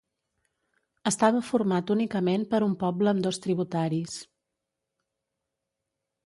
Estava format únicament per un poble amb dos tributaris.